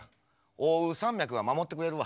奥羽山脈が守ってくれるわ。